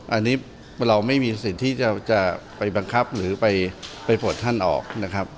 อันนี้เราไม่มีสิทธิ์ที่จะไปบังคับหรือไปปลดท่านออกนะครับ